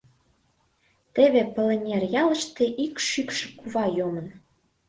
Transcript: Теве Пыленер ялыште ик шӱкшӧ кува йомын.